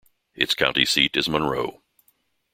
Its county seat is Monroe.